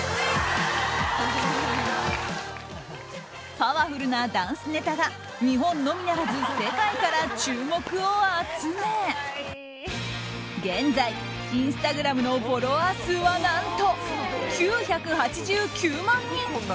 パワフルなダンスネタが日本のみならず世界から注目を集め現在、インスタグラムのフォロワー数は何と９８９万人。